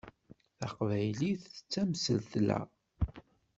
Taqbaylit d tamsetla.